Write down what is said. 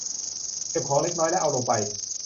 เก็บของเล็กน้อยและเอาลงไป